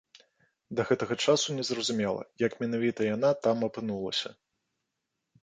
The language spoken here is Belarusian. Да гэтага часу незразумела, як менавіта яна там апынулася.